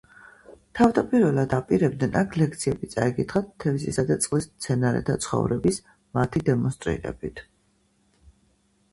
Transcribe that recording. თავდაპირველად აპირებდნენ აქ ლექციები წაეკითხათ თევზისა და წყლის მცენარეთა ცხოვრების, მათი დემონსტრირებით.